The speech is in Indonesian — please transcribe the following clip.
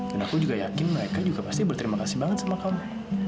dan aku juga yakin mereka juga pasti berterima kasih banget sama kamu